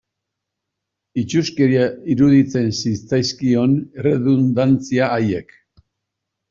Itsuskeria iruditzen zitzaizkion erredundantzia haiek.